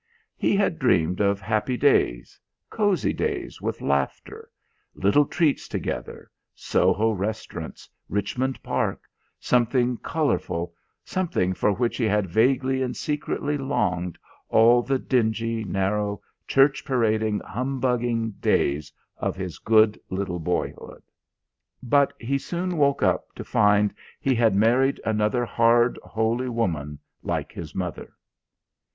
He had dreamed of happy days, cosy days with laughter; little treats together Soho restaurants, Richmond Park, something colourful, something for which he had vaguely and secretly longed all the dingy, narrow, church parading, humbugging days of his good little boyhood. But he soon woke up to find he had married another hard holy woman like his mother.